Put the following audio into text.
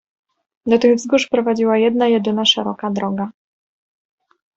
"Do tych wzgórz prowadziła jedna jedyna szeroka droga."